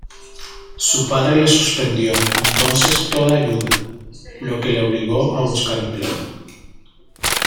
Su padre le suspendió entonces toda ayuda, lo que le obligó a buscar empleo.